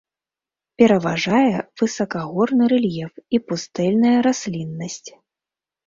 Пераважае высакагорны рэльеф і пустэльная расліннасць.